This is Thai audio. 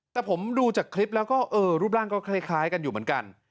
แต่ผมดูจากคลิปแล้วก็รูปร่างก็คล้ายกันอยู่เหมือนกัน